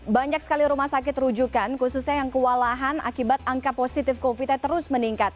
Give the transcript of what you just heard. banyak sekali rumah sakit rujukan khususnya yang kewalahan akibat angka positif covid nya terus meningkat